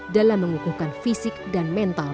dalam mengukuhkan fisik dan mental